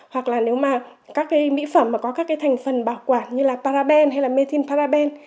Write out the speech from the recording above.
hoặc là nếu mà các cái mỹ phẩm mà có các cái thành phần bảo quản như là paraben hay là mê thin paraben